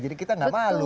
jadi kita nggak malu